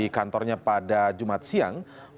saya berterima kasih